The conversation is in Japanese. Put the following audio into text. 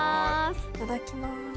いただきます。